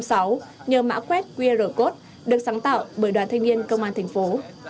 đề án sáu nhờ mã quét qr code được sáng tạo bởi đoàn thanh niên công an thành phố